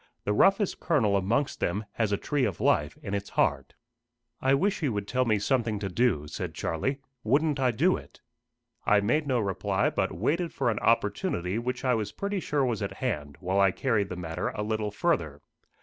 The roughest kernel amongst them has a tree of life in its heart." "I wish he would tell me something to do," said Charlie. "Wouldn't I do it!" I made no reply, but waited for an opportunity which I was pretty sure was at hand, while I carried the matter a little further.